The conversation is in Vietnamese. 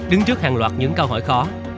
đứng trước hàng loạt những câu hỏi khó